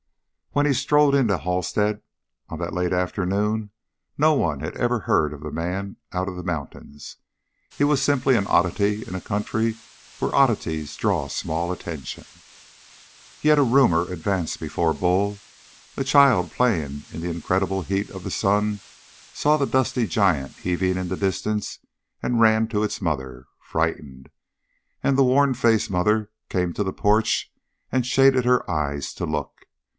When he strode into Halstead on that late afternoon no one had ever heard of the man out of the mountains. He was simply an oddity in a country where oddities draw small attention. Yet a rumor advanced before Bull. A child, playing in the incredible heat of the sun, saw the dusty giant heaving in the distance and ran to its mother, frightened, and the worn faced mother came to the porch and shaded her eyes to look.